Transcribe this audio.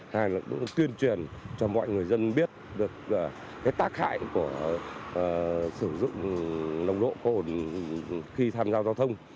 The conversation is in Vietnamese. hai là cũng tuyên truyền cho mọi người dân biết được tác hại của sử dụng nồng độ cồn khi tham gia giao thông